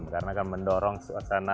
karena akan mendorong suasana